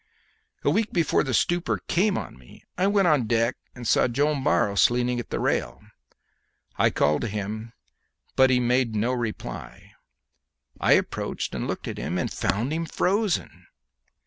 A week before the stupor came upon me I went on deck and saw Joam Barros leaning at the rail. I called to him, but he made no reply. I approached and looked at him, and found him frozen.